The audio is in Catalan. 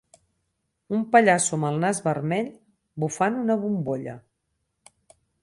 Un pallasso amb el nas vermell bufant una bombolla.